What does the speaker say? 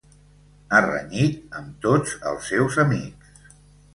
Ha renyit amb tots els seus amics.